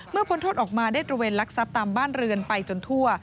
พ้นโทษออกมาได้ตระเวนลักทรัพย์ตามบ้านเรือนไปจนทั่ว